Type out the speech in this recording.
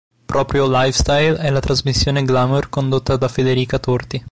Proprio "Lifestyle" è la trasmissione glamour condotta da Federica Torti.